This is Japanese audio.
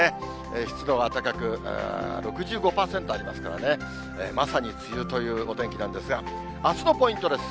湿度が高く、６５％ありますからね、まさに梅雨というお天気なんですが、あすのポイントです。